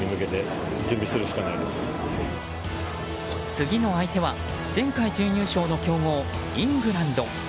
次の相手は前回準優勝の強豪イングランド。